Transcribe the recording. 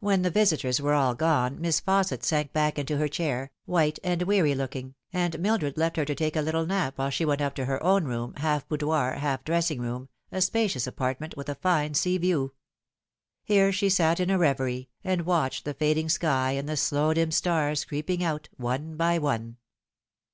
When the visitors were all gone Miss Fausset sank back into her chair, white and weary looking, and Mildred left her to take a little nap while she went up to her own room, half boudoir, half dressing room, a spacious apartment, with a fine sea view. Here she sat in a reverie, and watched the fading sky and the slow dim stars creeping out one by one.